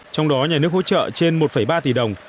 trong đó nhà nước hỗ trợ trên một ba tỷ đồng